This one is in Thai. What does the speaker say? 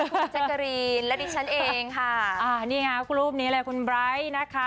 แล้วคุณเจ๊กรีนและนี่ฉันเองค่ะอ่านี่ไงรูปนี้เลยคุณไบร์ทนะคะ